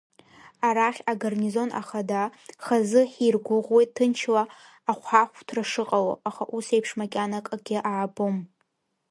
Арахь агарнизон ахада хазы ҳиргәыӷуеит ҭынчла ахәҳахәҭра шыҟало, аха усеиԥш макьана акгьы аабом.